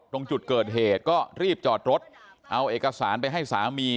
ตรงจุดเกิดเหตุก็รีบจอดรถเอาเอกสารไปให้สามี